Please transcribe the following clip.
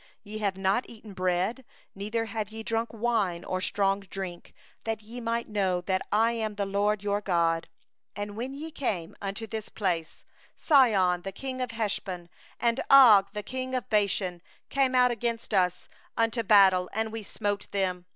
5Ye have not eaten bread, neither have ye drunk wine or strong drink; that ye might know that I am the LORD your God. 6And when ye came unto this place, Sihon the king of Heshbon, and Og the king of Bashan, came out against us unto battle, and we smote them.